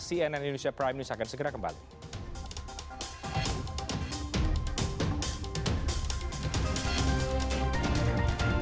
cnn indonesia prime news akan segera kembali